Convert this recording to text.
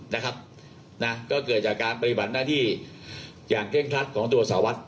นะครับนะก็เกิดจากการปฏิบัติหน้าที่อย่างเคร่งครัดของตัวสารวัตร